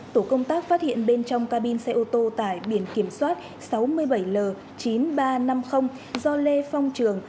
tổ công tác phát hiện bên trong cabin xe ô tô tải biển kiểm soát sáu mươi bảy l chín nghìn ba trăm năm mươi do lê phong trường